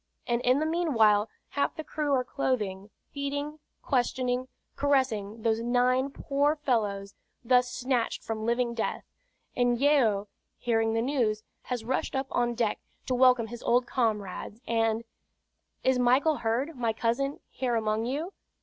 And in the meanwhile half the crew are clothing, feeding, questioning, caressing those nine poor fellows thus snatched from living death; and Yeo, hearing the news, has rushed up on deck to welcome his old comrades, and: "Is Michael Heard, my cousin, here among you?"